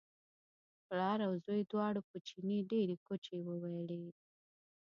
پلار او زوی دواړو په چیني ډېرې کوچې وویلې.